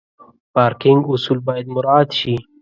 پارکینګ اصول باید مراعت شي.